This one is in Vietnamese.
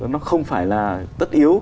nó không phải là tất yếu